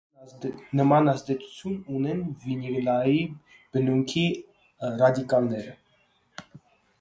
Նման ազդեցություն ունեն վինիլային բնույթի ռադիկալները։